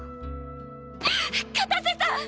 片瀬さん！